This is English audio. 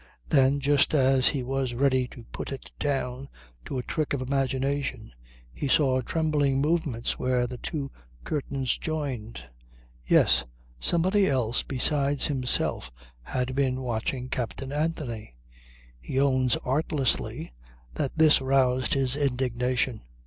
Then just as he was ready to put it down to a trick of imagination he saw trembling movements where the two curtains joined. Yes! Somebody else besides himself had been watching Captain Anthony. He owns artlessly that this roused his indignation.